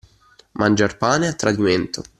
Mangiar pane a tradimento.